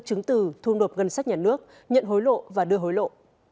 trứng tử thu nộp gân sách nhà nước nhận hối lộ và đưa hối lộ